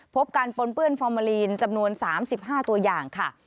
พบการปนเปื้อนฟอร์มาลีนจำนวน๓๕ตัวอย่างค่ะ